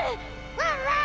ワンワン！